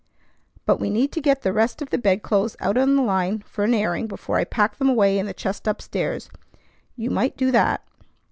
But we need to get the rest of the bed clothes out on the line for an airing before I pack them away in the chest up stairs. You might do that."